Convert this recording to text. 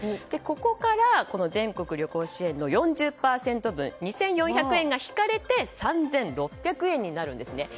ここから全国旅行支援の４０％分２４００円が引かれて３６００円になるんですね。